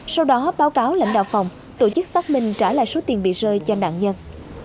sau đó báo cáo lãnh đạo phòng tổ chức xác minh trả lại số tiền bị rơi cho nạn nhân